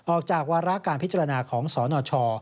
ออกจากวาระการพิจารณาของสหนช